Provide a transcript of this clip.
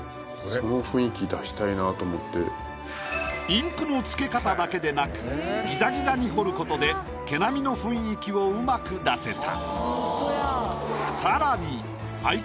インクの付け方だけでなくギザギザに彫ることで毛並みの雰囲気をうまく出せた。